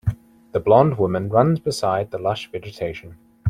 The blond woman runs beside the lush vegetation.